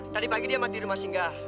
tadi pagi dia masih rumah singgah